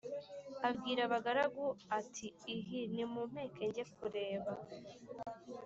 Abwira abagaragu ati: "Ihi, nimumpeke njye kureba.